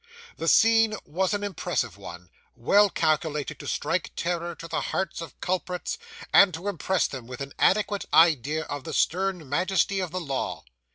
The scene was an impressive one, well calculated to strike terror to the hearts of culprits, and to impress them with an adequate idea of the stern majesty of the law.